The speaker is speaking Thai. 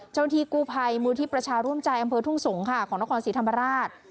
เจ้าหน้าที่กู้ภัยมูลที่ประชาร่วมใจอำเภอทุ่งสงค่ะของนครศรีธรรมราช